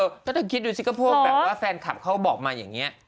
ก็ต้องคิดดูสิก็พวกแบบว่าแฟนคลับเขาบอกมาอย่างนี้